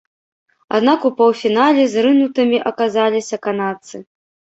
Аднак у паўфінале зрынутымі аказаліся канадцы.